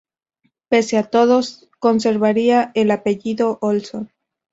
Pese a todo, conservaría el apellido Olson.